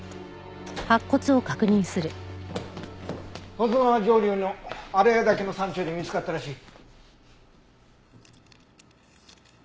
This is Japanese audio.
保津川上流の荒谷岳の山中で見つかったらしい。